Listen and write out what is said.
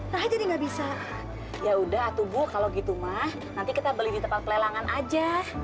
nah jadi nggak bisa yaudah tubuh kalau gitu mah nanti kita beli di tempat pelelangan aja